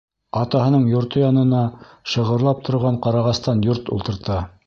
Атаһының йорто янына шығырлап торған ҡарағастан йорт ултырта.